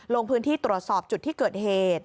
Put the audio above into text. ลงพื้นที่ตรวจสอบจุดที่เกิดเหตุ